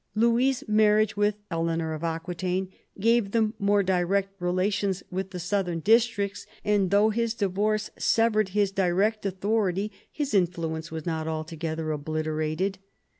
Louis's marriage with Eleanor of Aquitaine gave him more direct rela tions with the southern districts, and though his divorce severed his direct authority, his influence was not alto gether obliterated.